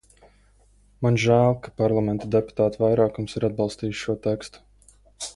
Man žēl, ka Parlamenta deputātu vairākums ir atbalstījis šo tekstu.